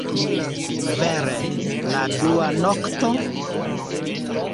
Vere... la dua nokto?